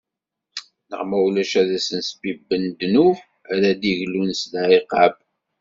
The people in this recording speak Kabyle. Neɣ ma ulac ad sen-sbibben ddnub ara d-iglun s lɛiqab.